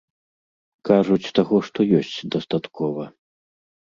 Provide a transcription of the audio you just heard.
Кажуць, таго, што ёсць, дастаткова.